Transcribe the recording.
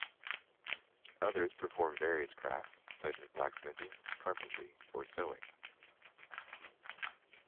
Others perform various crafts such as blacksmithing, carpentry or sewing.